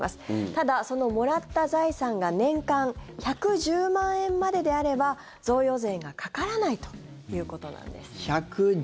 ただ、そのもらった財産が年間１１０万円までであれば贈与税がかからないということなんです。